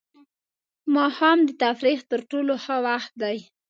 ماښام د تفریح تر ټولو ښه وخت دی.